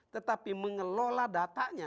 tetapi mengelola datanya